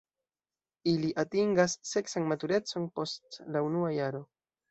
Ili atingas seksan maturecon post la unua jaro.